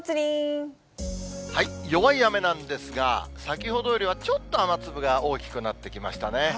弱い雨なんですが、先ほどよりはちょっと雨粒が大きくなってきましたね。